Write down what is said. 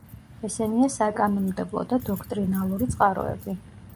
ესენია: საკანონმდებლო და დოქტრინალური წყაროები.